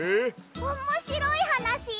おもしろいはなし！？